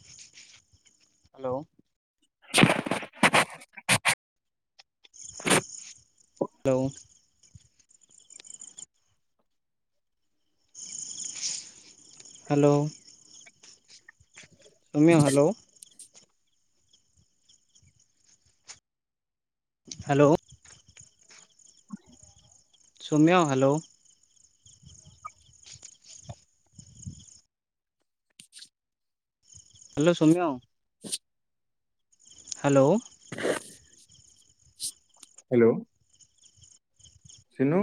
Hello. [unintelligible] Hello. Hello. Soumya hello. Hello. Soumya hello. Hello Soumya. Hello. Hello. Sinu.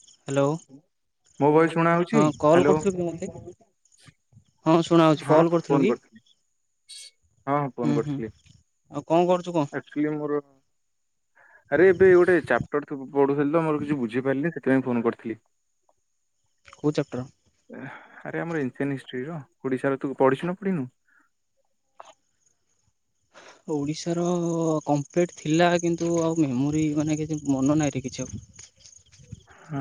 Hello. ମୋ voice ଶୁଣାହୋଉଛି? Hello. ମୁଁ ମତେ ହଁ ଫୋନ କି କରିଥିଲି ହଁ ହୁଁ ଫୋନ ହୁଁ କରିଥିଲି। ଆଉ କଣ କରୁଛୁ କଣ? ଆକଚୁଲି ମୋର ଆରେ ଏବେ ଗୋଟେ ଚାପ୍ଟର ତ ପଢୁଥିଲି ତ ମୋର କିଛି ବୁଝିପାରିଲିନି ସେଥିପାଇଁ ଫୋନ କରିଥିଲି। କୋଉ ଚାପ୍ଟର? ଆରେ ଆମର ଏନସିଆଣ୍ଟ ହିଷ୍ଟ୍ରି ର ଓଡିଶାରେ ତୁ ପଢ଼ିଚୁ ନା ପଢିନୁ? ଓଡ଼ିଶାର କମ୍ପ୍ଲିଟ୍ ଥିଲା କିନ୍ତୁ ଆଉ ମେମୋରି ମାନେ କିଛି ମନ ନାହିଁରେ କିଛି ଆଉ। ହଁ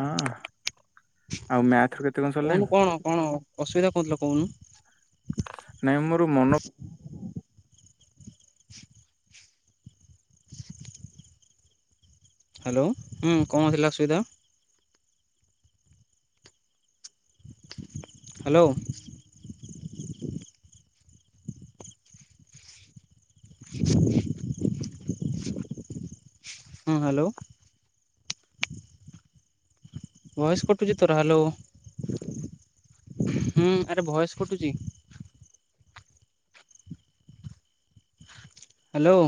ଆଉ ମ୍ୟାଥ ର କେତେ କଣ କହୁନୁ ସରିଲାଣି? କଣ କଣ? ଅସୁବିଧା କଣ ହୋଉଥିଲା କହୁନୁ। ନାଇଁ ମୋର ମନ ହ୍ୟାଲୋ ହୁଁ କଣ ଥିଲା ଅସୁବିଧା? ହ୍ୟାଲୋ। ହଁ ହ୍ୟାଲୋ। ଭଏସ କଟୁଛି ତୋର ହ୍ୟାଲୋ ହୁଁ ଆରେ ଭଏସ କଟୁଛି। ହ୍ୟାଲୋ।